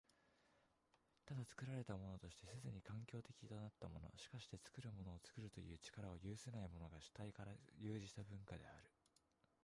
ただ、作られたものとして既に環境的となったもの、しかして作るものを作るという力を有せないものが、主体から遊離した文化である。